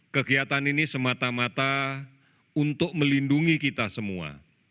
kegiatan ini semata mata untuk melindungi kita semua